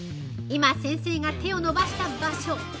今、先生が手を伸ばした場所。